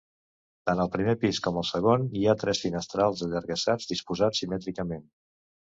Tant el primer pis com el segon hi ha tres finestrals allargassats disposats simètricament.